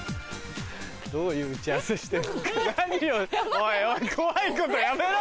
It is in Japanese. おいおい怖いことやめろ！